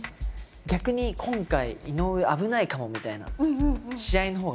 逆に今回井上危ないかもみたいな試合のほうが燃えるんですよ。